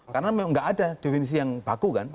karena memang enggak ada definisi yang bagus kan